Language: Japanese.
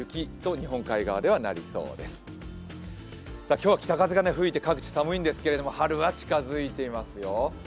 今日は北風が吹いて寒いんですけれども春は近づいていますよ。